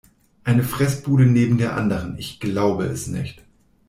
Eine Fressbude neben der anderen, ich glaube es nicht!